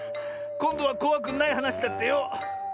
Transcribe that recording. こんどはこわくないはなしだってよ。